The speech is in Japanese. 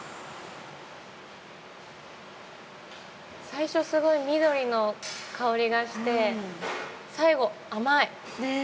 最初すごい緑の香りがして最後甘い。